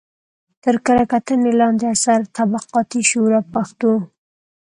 تر کره کتنې لاندې اثر: طبقاتي شعور او پښتو